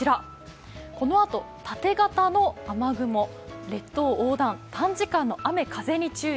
このあと縦長の雨雲、列島横断、短時間の雨・風に注意。